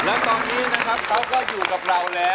แล้วตอนนี้นะครับเขาก็อยู่กับเราแล้ว